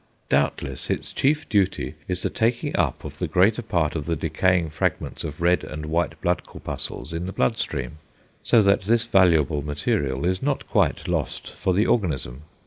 Doubtless its chief duty is the taking up of the greater part of the decaying fragments of red and white blood corpuscles in the blood stream, so that this valuable material is not quite lost for the organism.